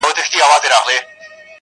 ما یې له ماتم سره لیدلي اخترونه دي-